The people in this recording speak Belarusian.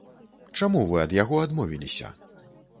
Чаму вы ад яго адмовіліся?